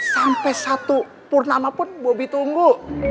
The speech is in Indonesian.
sampai satu purnama pun bobby tunggu